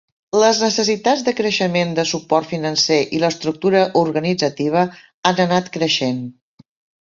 Les necessitats de creixement del suport financer i l'estructura organitzativa han anat creixent.